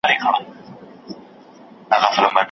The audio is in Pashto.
ویل یې شپې به دي د مصر له زندانه نه ځي